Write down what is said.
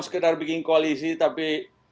sekedar bikin koalisi tapi